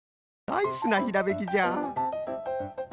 ナイスなひらめきじゃ